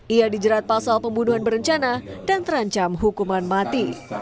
ia dijerat pasal pembunuhan berencana dan terancam hukuman mati